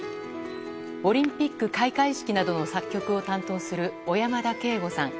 オリンピック開会式などの作曲を担当する小山田圭吾さん。